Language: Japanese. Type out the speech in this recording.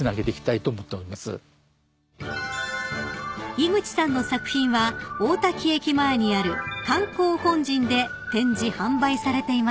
［井口さんの作品は大多喜駅前にある観光本陣で展示販売されていますよ］